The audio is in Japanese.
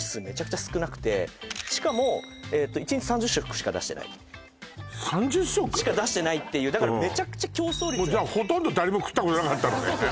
めちゃくちゃ少なくてしかも１日３０食しか出してない３０食！？しか出してないっていうだからめちゃくちゃ競争率じゃほとんど誰も食ったことなかったのね